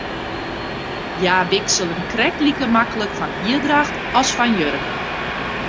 Hja wikselen krekt like maklik fan hierdracht as fan jurk.